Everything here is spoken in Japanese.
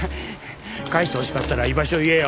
返してほしかったら居場所言えよ。